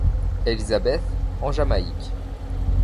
Elizabeth, en Jamaïque.